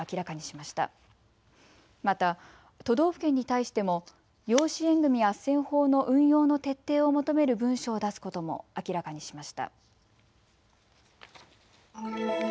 また都道府県に対しても養子縁組あっせん法の運用の徹底を求める文書を出すことも明らかにしました。